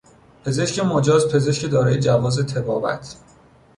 پزشک مجاز، پزشک دارای جواز طبابت